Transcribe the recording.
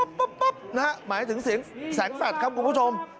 นะฮะหมายถึงสิงห์แสงสัตว์ครับคุณผู้ชม